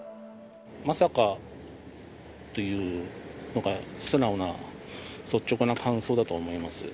まさかというのが、素直な率直な感想だと思います。